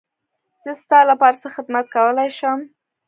زه ستا لپاره څه خدمت کولی شم.